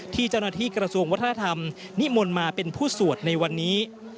ที่เจ้าหน้าที่กระทรวงวัฒนธรรมนิมนต์มาเป็นผู้สวดในวันนี้